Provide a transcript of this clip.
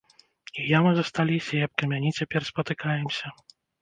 І ямы засталіся, і аб камяні цяпер спатыкаемся.